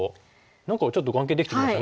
何かちょっと眼形できてきましたね。